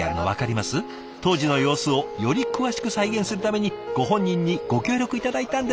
当時の様子をより詳しく再現するためにご本人にご協力頂いたんです。